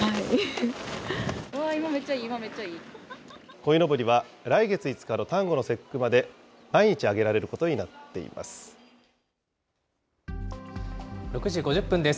こいのぼりは来月５日の端午の節句迄、毎日揚げられることに６時５０分です。